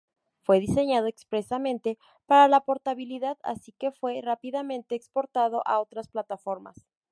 Fue diseñado expresamente para la portabilidad así que fue rápidamente exportado a otras plataformas.